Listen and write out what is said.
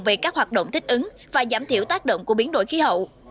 về các hoạt động thích ứng và giảm thiểu tác động của biến đổi khí hậu